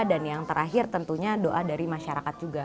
dan yang terakhir tentunya doa dari masyarakat juga